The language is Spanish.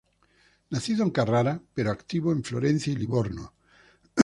Nacido en Carrara, pero activo en Florencia y Livorno.